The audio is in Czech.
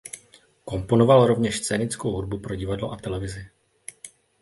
Komponoval rovněž scénickou hudbu pro divadlo a televizi.